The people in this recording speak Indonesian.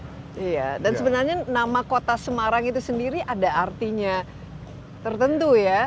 iya dan sebenarnya nama kota semarang itu sendiri ada artinya tertentu ya